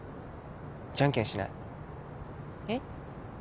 じゃんけんしない？えっ？